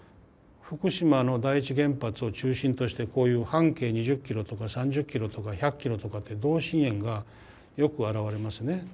福島の第一原発を中心としてこういう半径２０キロとか３０キロとか１００キロとかって同心円がよく現れますね。